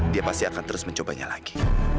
dia pasti akan terus mencobanya lagi